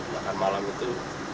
makan malam itu